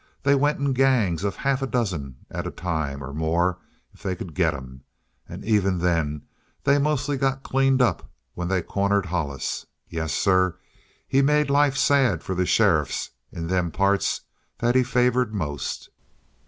They went in gangs of a half a dozen at a time, or more if they could get 'em. And even then they mostly got cleaned up when they cornered Hollis. Yes, sir, he made life sad for the sheriffs in them parts that he favored most.